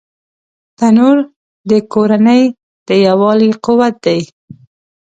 تنور د کورنۍ د یووالي قوت دی